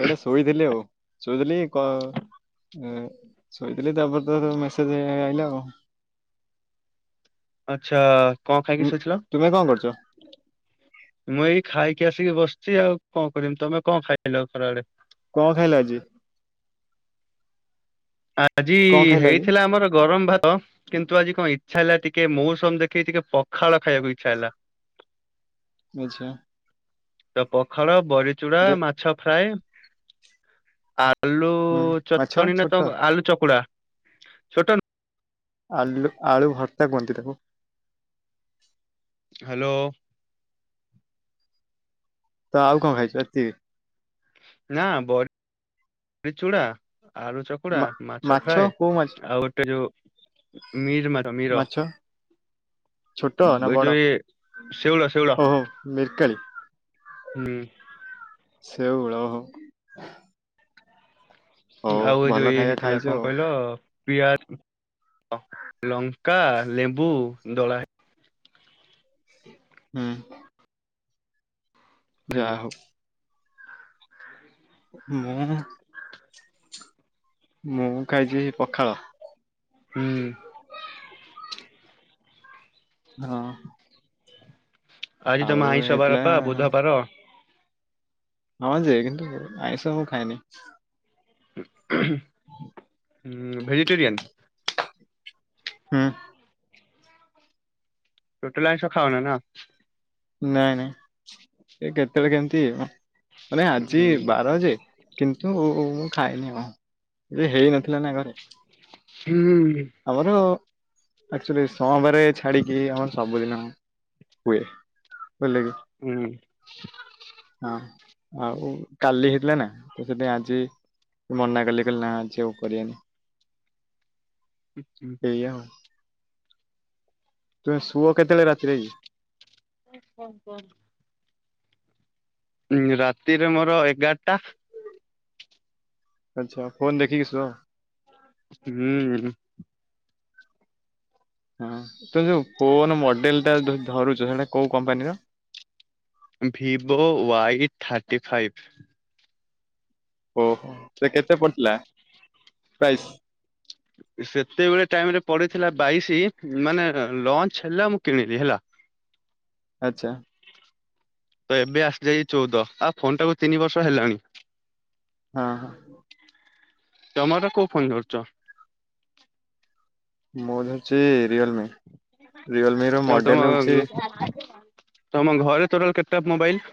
ଏଇଟେ ଶୋଇଥିଲି ଆଉ ଶୋଇଥିଲି କ ଏ ଶୋଇଥିଲି ତାପରେ ତ ତୋ ମେସେଜେ ଅଇଲା ଆଉ। ଆଚ୍ଛା କଁ ଖାଇକି ତୁ ଶୋଇଥିଲ? ତୁମେ କଣ କରୁଛ ମୁଁ ଏଇ ଖାଇକି ଆସିକି ବସିଚି ଆଉ କଣ କରମି। ତମେ କଁ ଖାଇଲ ଖରାବେଳେ? କଁ ଖାଇଲା ଆଜି? ଆଜି କଣ ଖାଇଲ ଆଜି ହେଇଥିଲା ଆମର ଗରମ ଭାତ କିନ୍ତୁ ଆଜି କଁ ଇଚ୍ଛା ହେଲା ଟିକେ ମୌସୁମ ଦେଖିକି ଟିକେ ପଖାଳ ଖାଇବାକୁ ଇଚ୍ଛା ହେଲା। ଆଚ୍ଛା। ତ ପଖାଳ ବରିଚୁଡା, ଦେ ମାଛ ଫ୍ରାଏ, ଆ ଆଲୁ ହୁଁ ମାଛ ଚଟଣୀ ନା ତ ଛୋଟ ଆଲୁ ଚକୁଡ଼ା ଛୋଟ ନ ଆଲୁ ଆଳୁ ଭର୍ତ୍ତା କୁହନ୍ତି ତାକୁ। ହ୍ୟାଲୋ। ତ ଆଉ କଁ ଖାଇଚୁ ଏତିକି? ନା ବ ଚୂଡ଼ା ଆଳୁ ଚ କକୁଡା ମା ମାଛ ଫ୍ରାଏ କୋଉ ମାଛ ଆଉ ଗୋଟେ ଯୋଉ ମିର ମାର ମିର ମାଛ ଛୋଟ ନା ଏ ବଡ ଯୋ ଏ ଶେଉଳ ଶେଉଳ ଓହୋ ମିରକାଳି ହୁଁ। ଶେଉଳ ହଉ ଆଉ ଏ ଯୋଉ ଭଲ ଇଏ ଖାଇବା ହେଇଥିଲା ଖାଇଛ କଣ ଆଉ କହିଲ ପିଆଜ ଲଙ୍କ କା ଲେମ୍ବୁ ଦଳା ହୁଁ। ଯା ହେଇଥିଲା ହଉ। [unintelligible] ମୁଁ ଖାଇଛି ଏ ପଖାଳ। ହୁଁ। ହଁ। ଆଜି ତମ ଆଉ ଆଇଁଷ ବାର ପା ହେଇଥିଲା ବୁଧବାର। ହଁ ଯେ କିନ୍ତୁ ଆଇଁସ ମୁଁ ଖାଇଏନି। ଉହୁ ଭେଜିଟେରିୟାନ? ହୁଁ। ଟୋଟାଲ ଆଇଁଷ ଖାଅନା ନା? ନାଇଁ ନାଇଁ ଏ କେତେବେଳେ କେମିତି ମାନେ ଆଜି ହୁଁ ବାର ଯେ କିନ୍ତୁ ମୁଁ ଖାଇନି ଆଉ। ଯେ ହେଇନଥିଲା ନା ଘରେ? ହୁଁ। ଆମର ଆକ୍ଚୁଆଲି ସୋମବାର ଛାଡିକି ଆମର ସବୁଦିନ ହୁଏ। ବୁଝିଲେ କି? ହୁଁ। ହଁ ଆଉ କାଲି ହେଇଥିଲା ନା ତ ସେଠି ଆଜି ମନା କଲି କଲି ନା ଆଜି ଆଉ କରିବନି। ଏଇୟା ଆଉ। ତୁମେ ଶୁଅ କେତେବେଳେ ରାତିରେ? [unintelligible] ଉଁ ରାତିରେ ମୋର ଏଗାରଟା। ଆଚ୍ଛା ଫୋନ ଦେଖିକି ଶୁଅ? ହୁଁ। ହଁ ତୁ ଯୋଉ ଫୋନ ମଡେଲ ଟା ଯ ଧରୁଛ ସେଇଟା କୋଉ କମ୍ପାନୀର? Vivo Y thirty five. ଓହୋ ସେ କେତେ ପଡିଥିଲା? ବାଇଶ ସେତେବେଳେ ଟାଇମ ରେ ପଡିଥିଲା ବାଇଶି ମାନେ ଲଞ୍ଚ ହେଲା ମୁଁ କିଣିଲି ହେଲା। ଆଚ୍ଛା। ତ ଏବେ ଆସିଯାଇ ଚଉଦ ଆଉ ଫୋନ୍ ଟାକୁ ତିନି ବର୍ଷ ହେଲାଣି। ଅ ହଁ। ତମର କୋଉ ଫୋନ ଧରୁଛ? ମୁଁ ଧରୁଛି ରିଅଲମି। ରିଅଲମିର ଆଉ ତମ ମଡ଼େଲ୍ ହେଉଛି ତମ ଘରେ ଟୋଟାଲ କେତେଟା ମୋବାଇଲ?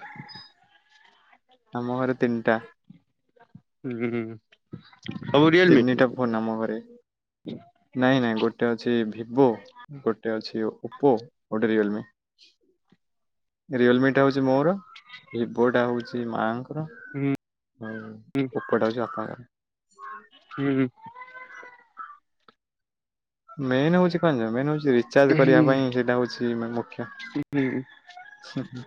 ଆମ ଘରେ ତିନଟା। ହୁଁ। ସବୁ ରିଅଲମି ତିନିଟା ଫୋନ୍ ଆମ ଘରେ। ନାଇଁ ନାଇଁ ଗୋଟେ ଅଛି ଭିବୋ ଗୋଟେ ଅଛି ଓପୋ ଗୋଟେ ରିଅଲମି। ରିଅଲମିିଟା ହଉଚି ମୋର ଭିବୋଟା ହଉଚି ମାଙ୍କ ର ହୁଁ ଆଉ ଓପୋଟା ହଉଚି ବାପାଙ୍କର। ହୁଁ। ମେନ୍ ହଉଚି କଁ ଜାଣିଚ ମେନ୍ ହଉଚି ରିଚାର୍ଜ କରିବା ପାଇଁ ସେଇଟା ହଉଚି ମାନେ ମୁଖ୍ୟ। ହୁଁ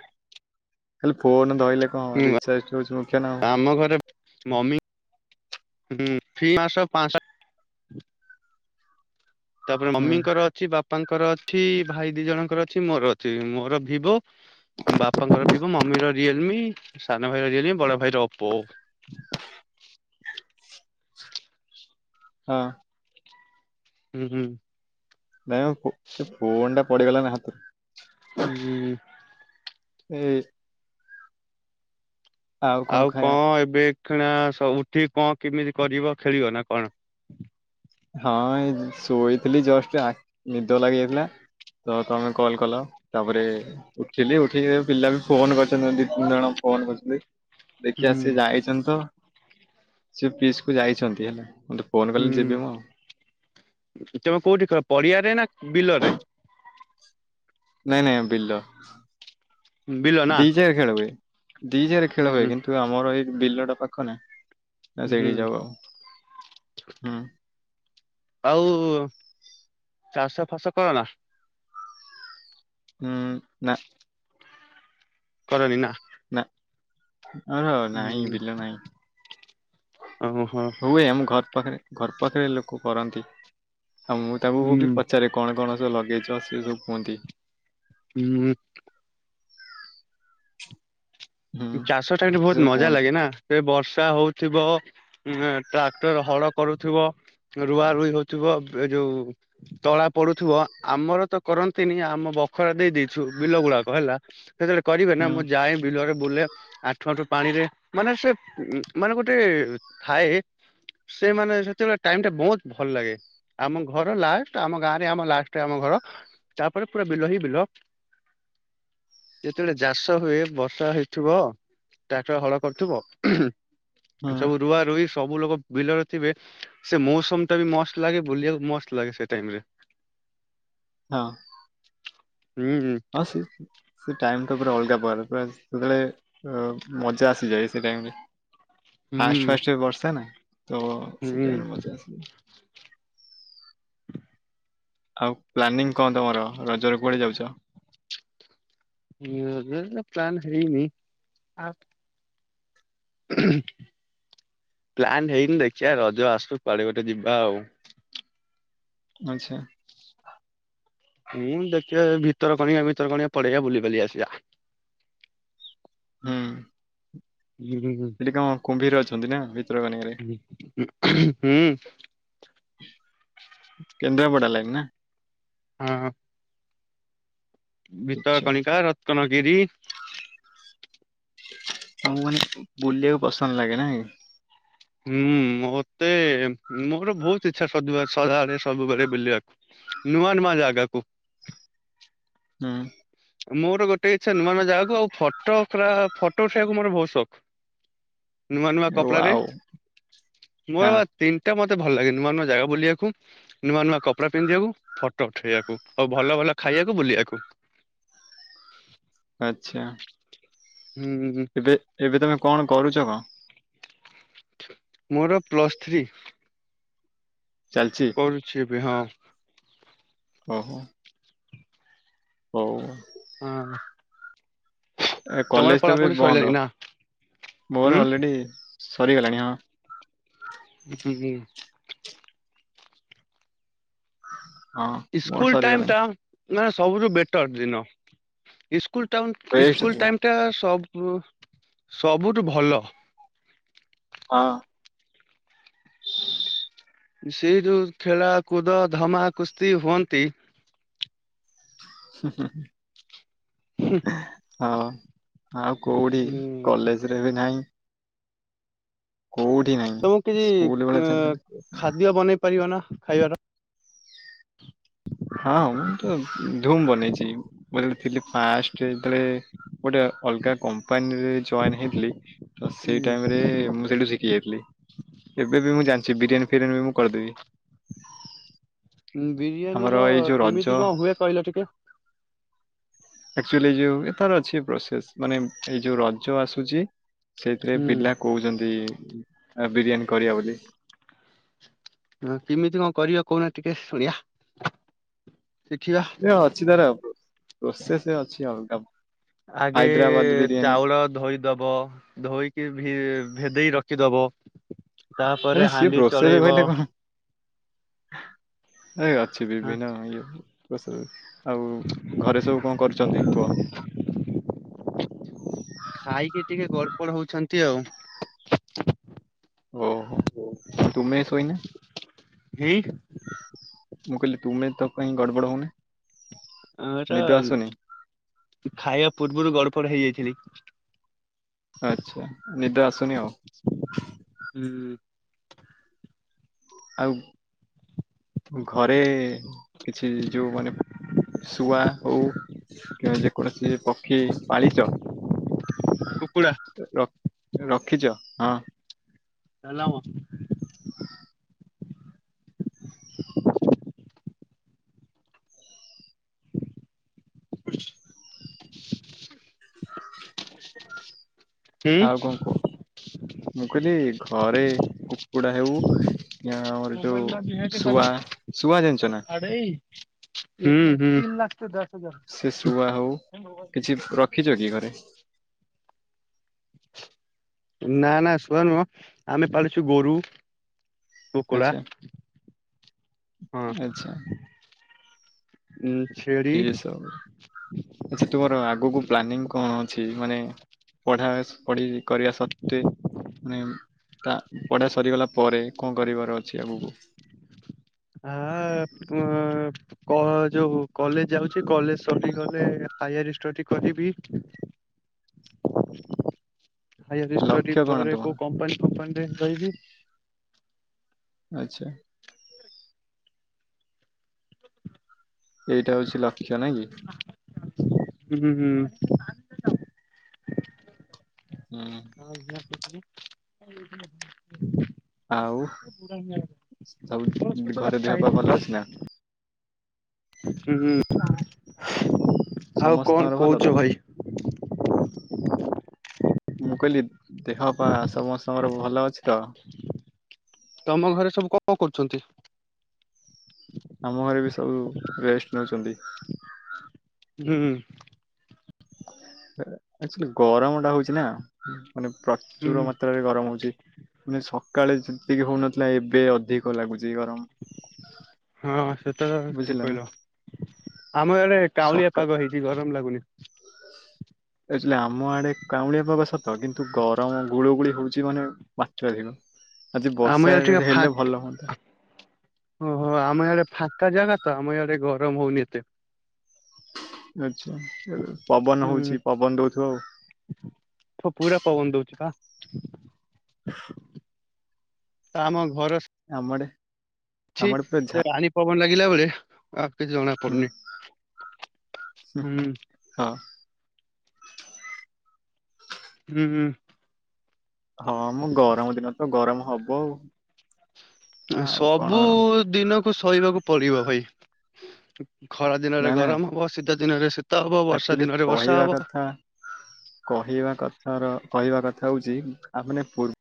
ଖାଲି ଫୋନ ଧଇଲେ କଣ ହବ ହୁଁ ରିଚାର୍ଜଟା ହଉଚି ମୁଖ୍ଯ ନା ଆଉ। ଆମ ଘରେ ମମି ହଁ ତାପରେ ହୁଁ ମମିଙ୍କର ଅଛି ବାପାଙ୍କର ଅଛି ଭାଇ ଦି ଜଣଙ୍କର ଅଛି ମୋର ଅଛି। ମୋର ଭିବୋ ବାପାଙ୍କର ଭିବୋ ମମିର ରିଅଲମି ସାନ ଭାଇ ର ରିଅଲମି ବଡ ଭାଇ ର ଓପୋ। [unintelligible] ହଁ। ହୁଁ ହୁଁ। ନାଇଁ ମ ପୋ ଏ ଫୋନ୍ ଟା ପଡିଗଲା ନା ହାତରୁ। ହୁଁ। ଏ କଣ ଆଉ କଁ ଖାଇବା ଏବେ କିଣା ସବୁଠି କଣ କେମିତି କରିବ ଖେଳିବ ନା କଣ? ହଁ ଏ ଶୋଇଥିଲି ଜଷ୍ଟ ଆ-ନିଦ ଲାଗିଯାଇଥିଲା ତ ତମେ କଲ କଲ ତାପରେ ଉଠିଲି ଉଠିକି ଦେଖ୍ ପିଲା ବି ଫୋନ କରିଚନ୍ତି ଦି ତିନି ଜଣ ଫୋନ କରିଚନ୍ତି। ହୁଁ ଦେଖିବା ସେ ଯାଇଚନ୍ତି ତ ସେ ପିସ୍ କୁ ଯାଇଚନ୍ତି ହେଲା ବନ୍ଧୁ। ହୁଁ ତମେ କୋଉଠି ଖ ପଡିଆରେ ନା ବିଲରେ? ନାଇଁ ନାଇଁ ବିଲ, ବିଲ ନା ଦିଜାଗାରେ ଖେଳ ହୁଏ ଦିଜାଗାରେ ହୁଁ ଖେଳ ହୁଏ ହୁଁ କିନ୍ତୁ ତୁ ଆମର ଏଇ ବିଲଟା ପାଖ ନା, ତ ହୁଁ ସେଇଠି ଯାଉ ଆଉ ହୁଁ। ଆଉ ଚାଷ ଫାସ କର ନା? ହୁଁ। ନା କରନି ନା? ନା ଆଅଂର ହୁଁ ନାଇଁ ବିଲ ନାଇଁ। ଓହୋ ହୁଁ ହୁଏ ଆମ ଘର୍ ପାଖେରେ ଘର୍ ପାଖରେ ଲୋକ କରନ୍ତି ଆଉ ମୁଁ ତାଙ୍କୁକୁ ବି ପଚାରେ। କଣ କଣ ସଉ ଲଗେଇଛ ସିଏ ସବୁ କୁହନ୍ତି। ହୁଁ। ହୁଁ ଚାଷ ଟାଇମ୍ ରେ ବହୁତ୍ ସେ ମଜା କୁହନ୍ତି ଲାଗେ ନା ସେ ବର୍ଷା ହଉଥିବ ଉଁ ଟ୍ରାକ୍ଟର ହଳ କରୁଥିବ ରୁଆ ରୁଇ ହଉଥିବ ଏ ଯୋଉ ତଳା ପଡୁଥିବ ଆମର ତ କରନ୍ତିନି ଆମ ବଖରା ଦେଇ ଦେଇଛୁ ବିଲ ଗୁଡାକ ହେଲା ଯେତେବେଳେ କରିବେ ନା ହୁଁ ମୁଁ ଯଏ ବିଲରେ ବୁଲେ ଆଠୁ ଆଣ୍ଠୁଏ ପାଣିରେ ମାନେ ସେ ମାନେ ଗୋଟେ ଥାଏ ସେ ମାନେ ସେତେବେଳେ ଟାଇମ୍ ଟା ବହୁତ୍ ଭଲ୍ ଲାଗେ। ଆମ ଘର ଲା୍ଷ୍ଟ ଆମ ଗାଁରେ ଆମ ଲାଷ୍ଟରେ ଆମ ଘର। ତାପରେ ପୁରା ବିଲ ହିଁ ବିଲ, ଯେତେଳେ ଜାଷ ହୁଏ ବର୍ଷା ହେଇ ଥୁବ ଟ୍ରାକଟର ହଳ କରୁଥୁବ ହୁଁ ଉଁହୁଁ ସବୁ ରୁଆ ରୁଇ ସବୁ ଲୋକ ବିଲରେ ଥିବେ, ସେ ମୌସମଟା ବି ମସ୍ତ୍ ଲାଗେ ବୁଲିଆକୁ ମସ୍ତ୍ ଲାଗେ ସେ ଟାଇମ୍ ରେ। ହଁ। ହୁଁ ହୁଁ। ହଁ ସି ସେ ଟାଇମ୍ ତ ପୁରା ଅଲଗା ପ୍ରକାର ପୁରା ଯେତେବେଳେ ଏ ମଜା ଆସିଯାଏ ସେ ଟାମ୍ ରେ ହୁଁ ଫାଷ୍ଟ ଫାଷ୍ଟ ବର୍ଷା ନାଁ ତ ସେଇ ହୁଁ ଟାଇମ୍ ରେ ମଜା ଆସେ। ଆଉ ପ୍ଲାନିଂ କଁ ତମର ରଜରେ କୁଆଡେ ଯାଉଚ? ରଜରେ ତ ପ୍ଲାନ୍ ହେଇନି ଆ ଉହୁଁ ପ୍ଲାନ୍ ହେଇନି ଦେଖିବା ରଜ ଆସୁ କୁଆଡେ ଗୋଟେ ଯିବା ଆଉ। ଆଚ୍ଛା। ଉଁ ଦେଖିଆ ସେଇ ଭିତରକନିକା ଫିତରକନିକା ପଲେଇବା ବୁଲିବାଲି ଆସିବ। ହୁଁ। ହୁଁ ହୁଁ ହୁଁ। ସେଠି କଁ କୁମ୍ଭୀର ଅଛନ୍ତି ନାଁ ଭିତରକନିକାରେ। ହୁଁ କେନ୍ଦ୍ରାପଡା ଲାଇନ୍ ନାଁ। ହୁଁ। ଭିତରକଣିକା ରତ୍ନଗିରି। ମୁଁ କଇନି ବୁଲିଆକୁ ପସନ୍ଦ ଲାଗେ ନାଇଁ। ହୁଁ ମୋତେ ମୋର ଭୋଉତ୍ ଇଚ୍ଛା ସଦୁଆ ସଆଡେ ସବୁ ବେଳେ ବୁଲିଆକୁ ନୂଆ ନୂଆ ଜାଗାକୁ। ହୁଁ। ମୋର ଗୋଟେ ଇଛା ନୂଆ ନୂଆ ଜାଗାକୁ ଆଉ ଫଟୋ ପୁରା ଫଟୋ ଉଠେଇଆକୁ ମୋର ଶୋପ୍। ନୂଆ ନୂଆ କପଡାରେ ୱାଓ ହଁ ମୋର ତିନ୍ ଟା ମତେ ଭଲ୍ ଲାଗେ ନୂଆ ନୂଆ ଜାଗା ବୁଲିଆକୁ। ନୂଆ ନୂଆ କପଡ଼ା ପିନ୍ଧିଆକୁ, ଫଟୋ ଉଠେଇବାକୁ ଆଉ ଭଲ ଭଲ ଖାଇଆକୁ, ବୁଲିଆକୁ। [inaudible] ଆଚ୍ଛା। ହୁଁ ହୁଁ ହୁଁ। ଏବେ ଏବେ ତମେ କଣ କରୁଚ କଁ? ମୋର ପ୍ଲସ୍ ଥ୍ରୀ। ଚାଲଚି। କରୁଛି ଏବେ ହଁ। ଓହୋ। ହଉ ହଁ ହଁ। ଏ କଲେଜ୍ ଟା ବି ବନ୍ଦ ସଇଲାଣି ନା ହୁଁ ମୋର ଅଲରେଡି ସରିଗଲାଣି ହଁ। ଉ ହୁଁ। ହଁ ମୋର ଇସ୍କୁଲ୍ ଟାଇମ୍ ସରିଗଲାଣି ଟା ନାଁ ସବୁଠୁ ବେଟର୍ ଦିନ ଇସ୍କୁଲ୍ ଟାଉନ୍ ୱେଷ୍ଟ ଇସ୍କୁଲ୍ ଥିଲା ଟାଇମ୍ ଇଟା ସବୁ ସବୁଠୁ ଭଲ। ଅଁ ସେ ଯୋଉ ଖେଳା କୁଦ ଧମା କୁସ୍ତି ହୁଅନ୍ତି। ହୁଁ ହୁଁ ହୁଁ। ଆହାଁ ହଁ ଆଉ କୋଉଠି ଉଁ କଲେଜ୍ ରେ ବି ନାହିଁ। କୋଉଠି ନାହିଁ ତମକି ସ୍କୁଲ ବେଳେ ଛାଡିଦେଲେ ଏଁ-ଖାଦ୍ୟ ବନେଇ ପାରିବ ନାଁ ଖାଇବାର? ହଁ ମୁଁ ତ ଧୁମ୍ ବନେଇଚି ମୁଁ ଯେତେବେଳ ଥିଲି ପେଷ୍ଟ ରେ ଯେତେଏ ଳେ ଗୋଟେ ଅଲଗା କଂପାନୀରେ ଜଏନ୍ ହେଇଥିଲି ତ ସେ ଟାଇମ୍ ହୁଁ ରେ ମୁଁ ସେଇଠି ଶି ଇଥିଲି ଏବେ ବି ମୁଁ ଜାଣିଚି ବିରିୟାନୀ ଫିରିୟାନୀ ବି ମୁଁ କରିଦେବି। ହୁଁ ବିରିୟାନୀ ଆମର ର ଏଇ ଯୋଉ କେମିତି ରଜ କଣ ହୁଏ କହିଲା ଟିକେ? ଆକ୍ଚୁଆଲି ଯୋଉ ଏ ତାର ଅଛି ପ୍ରୋସେସ ମାନେ ଏଇ ଯୋଉ ରଜ ଆସୁଛି ସେଇଥିରେ ପିଲା ହୁଁ କହୁଛନ୍ତି ଆ ବିରିୟାନୀ କରିବା ବୋଲି। ହଁ କେମିତି କଣ କରିବ କହୁନା ଟିକେ ଶୁଣିବା ଶିଖିବା। ଏ ଅଛି ତାର ପ୍ରୋସେସ ଅଛି ଅଲଗା। ଆଗେ ହାଇଦ୍ରାବାଦ ବିରିୟାନୀ ଚାଉଳ ଧୋଇ ଦବ ଧୋଇକି ଭି ଭେଦେଇ ରଖିଦବ ତାପରେ ଆରେ ସିଏ ହାଣ୍ଡି ପ୍ରୋସେସ ଚଳେଇବ। କହିଲେ କଣ ଏଇ ଅଛି ହଁ ବିଭିନ୍ନ ଇଏ ଆଉ ଘରେ ସବୁ କଣ କରୁଛନ୍ତି କୁହ। ଖାଇକି ଟିକେ ଗଡପଡ୍ ହଉଛନ୍ତି ଆଉ। ଓହୋ ତୁମେ ଶୋଇନା। ହୁଁ ମୁଁ କହିଲି ତୁମେ ତ କାହି ଗଡ଼ବଡ଼ ହଉ ଆଁ ର ଖାଇବା ପୂର୍ବରୁ ଗଡପଡ ହେଇଯାଇଥିଲି। ଆଛା ନିଦ ଆସୁନି ଆଉ। ହୁଁ ଆଉ ଘରେ କିଛି ଯୋଉ ମାନେ ଶୁଆ ହଉ କିମ୍ବା ଯେକୌଣସି ପକ୍ଷୀ ପାଳିଛ କୁକୁଡ଼ା ରକ ରଖିଛ ହଁ ଥେଲାମ [inaudible] ହୁଁ ଆଉ କଣ କୁହ ମୁଁ କହିଲି ଘରେ କୁକୁଡା ହେଉ ଆମର ଯୋଉ ଶୁଆ ଶୁଆ ଜାଣିଛ ନା। ଭାଇ ହଁ ହଁ ହଁ ସେ ତିନ ଶୁଆ ହଉ ଲାଗଦଶ ହଜାର କିଛି ରଖିଛ କି ଘରେ ନା ନା ଶୁଆ ନୁହଁ ଆମେ ପାଳିଛୁ ଗୋରୁ। କୁକୁଡା ଆଚ୍ଛା ହଁ ହ ଆଚ୍ଛା ଛେଳି ଏଇ ସବୁ ଆଚ୍ଛା ତୁମର ଆଗକୁ ଉଁ, ପ୍ଲାନିଂ କଣ ଅଛି ମାନେ ପଢା ପଢି କରିବା ସତ୍ତ୍ୱେ ମାନେ ତା ପଢା ସରିଗଲା ପରେ କଣ କରିବାର ଅଛି ଆଗକୁ ହ ହ କ ଯୋଉ କଲେଜ ଯାଉଛି କଲେଜ ସରିଗଲେ ହାୟାର ଷ୍ଟଡି କରିବି। [inaudible] ହାୟର ଷ୍ଟଡି ଲକ୍ଷ୍ୟ କଣ ପରେ ତୁମର କୋଉ କମ୍ପାନୀ ଫମ୍ପାନୀରେ ରହିବି। ଆଚ୍ଛା ଏଇଟା ହଉଛି ଲକ୍ଷ୍ୟ ନା କି ହୁଁ ହୁଁ ହୁଁ ହୁଁ ହି [inaudible] [inaudible] ଆଉ ସବୁ ଘରେ ଦେହପା ଭଲ ଅଛି ନା। ହୁଁ ଆଉ କଣ ସମସ୍ତଙ୍କର ଭଲ ତ? କହୁଛ ଭାଇ। ମୁଁ କହିଲି ଦେହପା ସମସ୍ତଙ୍କର ଭଲ ଅଛି ତ। ତମ ଘରେ ସବୁ କଣ କରୁଛନ୍ତି? ଆମ ଘରେ ବି ସବୁ ରେଷ୍ଟ ନେଉଛନ୍ତି। ହୁଁ। ସେ ଆକଚୁଆଲି ଗରମ ଟା ହଉଛି ନା। ମାନେ ହୁଁ ପ୍ରଚୁର ମାତ୍ରାରେ ଗରମ ହଉଛି। ମାନେ ସକାଳେ ଯେତିକି ହଉନଥିଲା ଏବେ ଅଧିକ ଲାଗୁଛି ଗରମ। ହଁ ସେତ ତ ଠିକ ବୁଝିଲେ ନା। କହିଲ। ଆମ ଇଆଡ଼େ ଟାଉଁଲିଆ ସକା ପାଗ ହେଇଛି। କି ଗରମ ଲାଗୁନି। ଆକଚୁଆଲି ଆମ ଆଡେ କାଉଁଳିଆ ପାଗ ସତ। କିନ୍ତୁ ଗରମ ଗୁଳୁ ଗୁଳି ହଉଛି ମାନେ ମାତ୍ରାଧିକ। ଆଜି ଆମ ବର୍ଷା ଇଆଡେ ଟିକେ ଫା ହେଲେ ଭଲ ହୁଅନ୍ତା। ଓହୋ ଆମ ଇଆଡେ ଫାଙ୍କା ଜାଗା ତ, ଆମ ଇଆଡେ ଗରମ ହଉନି ଏତେ। ଆଚ୍ଛା, ପବନ ହୁଁ। ହଉଛି ପବନ ଦଉଥିବ ଆଉ। ପ ପୁରା ପବନ ଦଉଛି ପା। [unintelligible] ତ ଆମ ଘର ସ ଆମ ଆଡ଼େ ଅଛି। ସେ ରାଣୀ ପବନ ଲାଗିଲା ବେଳେ ଆଉ କିଛି ଜଣା ହୁଁ ପଡୁନି। ହୁଁ। ହଁ। ହୁଁ ହୁଁ। ହଁ ମ ଗରମ ଦିନ ତ ଗରମ ହବ ଆଉ। ଆଉ କଣ ସବୁ ଦିନକୁ ସହିବାକୁ ପଡିବ ଭାଇ। ଖରା ଦିନରେ ନା ନା ଗରମ ହବ। ଶୀତ ଦିନରେ ଶୀତ ହବ। ବର୍ଷା ଆକ୍ଚୁଆଲି ଦିନରେ ବର୍ଷା ହବ। କହିବା କଥା ର, କହିବା କଥା ହଉଛି ଆ ମାନେ ପୂର୍ବ